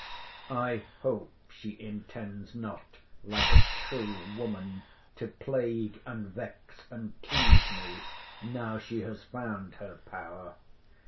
I hope she intends not, like a true woman, to plague, and vex, and tease me, now she has found her power.